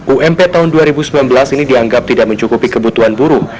ump tahun dua ribu sembilan belas ini dianggap tidak mencukupi kebutuhan buruh